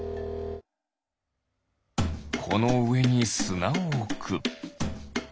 このうえにすなをおく。